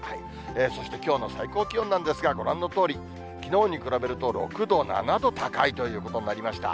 そしてきょうの最高気温なんですが、ご覧のとおり、きのうに比べると６度、７度高いということになりました。